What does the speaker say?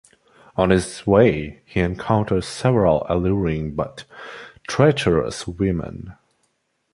On his way he encounters several alluring but treacherous women.